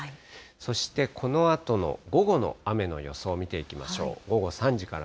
そしてこのあとの午後の雨の予想を見ていきましょう。